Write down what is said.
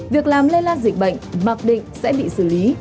việc làm lây lan dịch bệnh mặc định sẽ bị xử lý